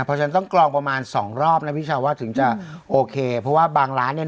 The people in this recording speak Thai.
เพราะฉะนั้นต้องกรองประมาณสองรอบนะพี่ชาวว่าถึงจะโอเคเพราะว่าบางร้านเนี่ย